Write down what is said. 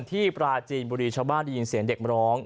ที่ประจีนบุรีชาวบ้านยืนเสียงเด็กร้อง